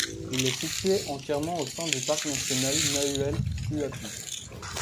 Il est situé entièrement au sein du parc national Nahuel Huapi.